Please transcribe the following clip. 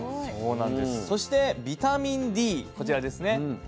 そしてビタミンＤこちらですね。